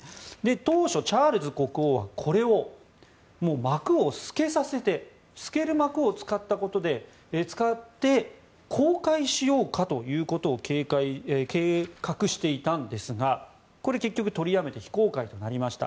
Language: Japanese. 当初、チャールズ国王はこれを膜を透けさせて透ける幕を使って公開しようかということを計画していたんですが結局、取りやめて非公開となりました。